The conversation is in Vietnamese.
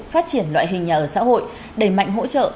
phát triển loại hình nhà ở xã hội đẩy mạnh hỗ trợ